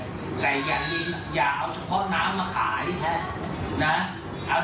แต่อย่างนี้อย่าเอาเฉพาะน้ำมาขาย